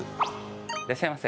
いらっしゃいませ。